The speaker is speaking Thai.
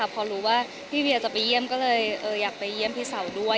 พอรู้ว่าพี่เวียจะไปเยี่ยมก็เลยอยากไปเยี่ยมพี่สาวด้วย